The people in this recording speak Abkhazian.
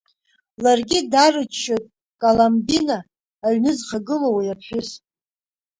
Ларгьы дарччоит Коломбина, аҩны зхагылоу уи аԥҳәыс.